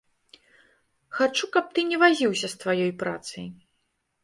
Хачу, каб ты не вазіўся з тваёй працай.